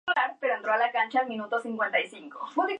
Era jurista y canónigo de la catedral de Sevilla.